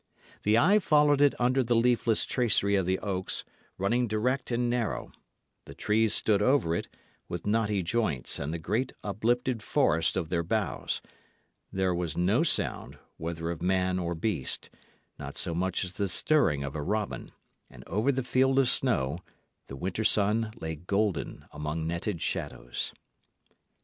The eye followed it under the leafless tracery of the oaks, running direct and narrow; the trees stood over it, with knotty joints and the great, uplifted forest of their boughs; there was no sound, whether of man or beast not so much as the stirring of a robin; and over the field of snow the winter sun lay golden among netted shadows.